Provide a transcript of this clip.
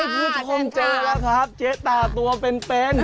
พูดข้อมเจ๊แล้วครับเจ๊ตาตัวเป็น